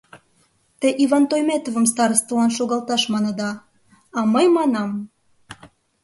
Те Иван Тойметовым старостылан шогалташ маныда, а мый манам...